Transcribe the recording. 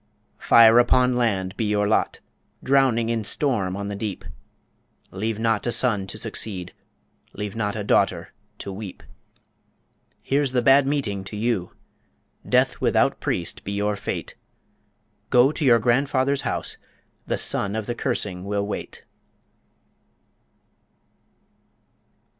Fire upon land be your lot! Drowning in storm on the deep! Leave not a son to succeed! Leave not a daughter to weep! Here's the bad meeting to you! Death without priest be your fate! Go to your grandfather's house The Son of the Cursing will wait!